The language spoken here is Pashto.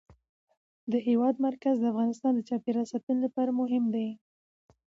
د هېواد مرکز د افغانستان د چاپیریال ساتنې لپاره مهم دي.